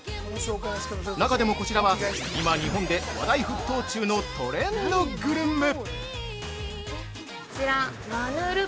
中でも、こちらは今、日本で話題沸騰中のトレンドグルメ。